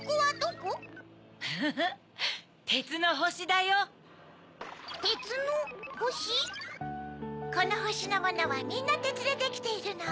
このほしのものはみんなてつでできているの。